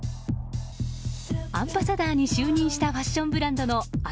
アンバサダーに就任したファッションブランドの秋